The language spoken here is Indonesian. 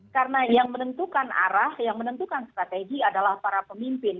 karena yang menentukan arah yang menentukan strategi adalah para pemimpin